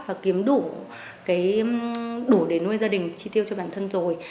và kiếm đủ cái đủ để nuôi gia đình chi tiêu cho bản thân rồi